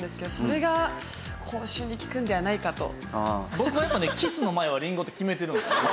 僕はやっぱりねキスの前はりんごって決めてるんで。